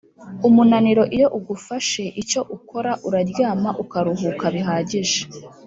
Umunaniro iyo ugufashe icyo ukora uraryama ukaruhuka bihagije